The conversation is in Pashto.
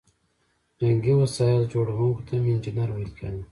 جنګي وسایل جوړوونکو ته هم انجینر ویل کیده.